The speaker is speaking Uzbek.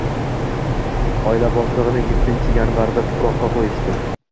Oila boshlig`ini ettinchi yanvarda tuproqqa qo`yishdi